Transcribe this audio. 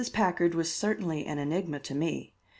Packard was certainly an enigma to me.